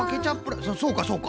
そうかそうか。